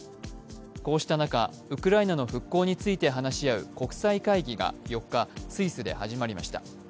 こうした中、ウクライナの復興について話し合う国際会議が４日スイスで始まりました。